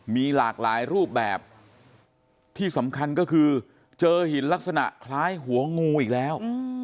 มีหลากหลายรูปแบบที่สำคัญก็คือเจอหินลักษณะคล้ายหัวงูอีกแล้ว